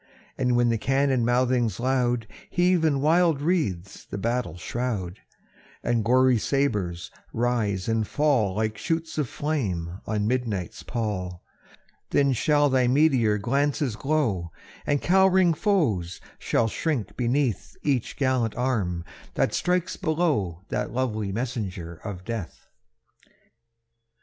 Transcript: And when the cannon mouthings loud Heave in wild wreaths the battle shroud, And gory sabres rise and fall Like shoots of flame on midnight's pall; Then shall thy meteor glances glow, And cowering foes shall shrink beneath Each gallant arm that strikes below That lovely messenger of death.